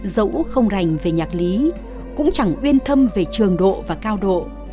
dẫu không rành về nhạc lý cũng chẳng uyên thâm về trường độ và cao độ